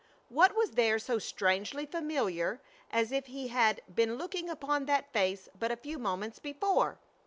What was there so strangely familiar, as if he had been looking upon that face but a few moments before?